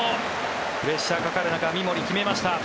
プレッシャーかかる中三森、決めました。